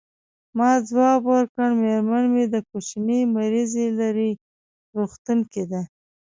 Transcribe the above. ما ځواب ورکړ: میرمن مې د کوچني مریضي لري، روغتون کې ده.